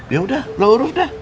yaudah lo urus dah